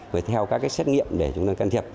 rồi theo các xét nghiệm để chúng tôi can thiệp